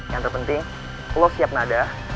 yang terpenting lo siap nada